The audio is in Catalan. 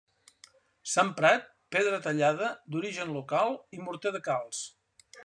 S'ha emprat pedra tallada d'origen local i morter de calç.